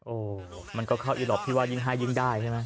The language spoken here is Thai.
โอ้มันก็เข้าอยู่หรอกพี่ว่ายิงไห้ยิงได้ใช่ไหม